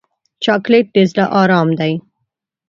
چاکلېټ د زړه ارام دی.